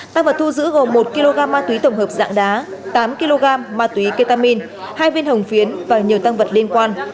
tăng vật thu giữ gồm một kg ma túy tổng hợp dạng đá tám kg ma túy ketamin hai viên hồng phiến và nhiều tăng vật liên quan